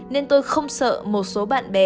nên tôi không sợ một số bạn bè